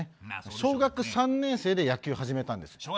小学３年生で野球を始めたんです。